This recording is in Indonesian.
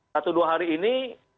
satu dua hari ini